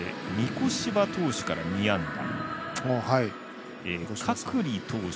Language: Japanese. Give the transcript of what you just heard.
御子柴投手から２安打。